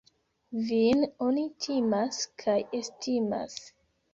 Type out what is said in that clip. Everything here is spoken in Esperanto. Vin oni timas kaj estimas.